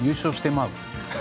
まう！